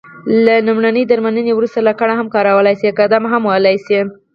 له لمرینې درملنې وروسته لکړه هم کارولای شې، قدم وهلای شې.